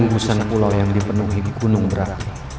dan gugusan pulau yang dipenuhi gunung berat